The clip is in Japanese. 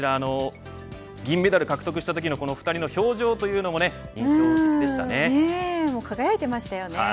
銀メダルを獲得したときの２人の表情というのも輝いていましたよね。